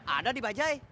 ada di bajai